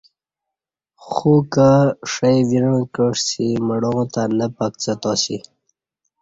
خوکہ ݜئ ویݩع کعسی مڑاں تہ نہ پکڅہ تاسی